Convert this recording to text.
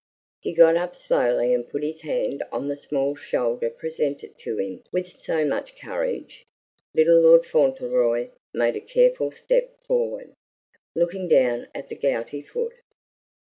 He got up slowly and put his hand on the small shoulder presented to him with so much courage. Little Lord Fauntleroy made a careful step forward, looking down at the gouty foot.